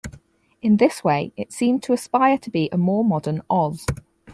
In this way, it seemed to aspire to be a more modern Oz.